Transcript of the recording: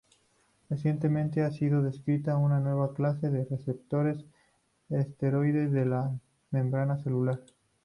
Recientemente, ha sido descrita una nueva clase de receptores esteroideos en la membrana celular.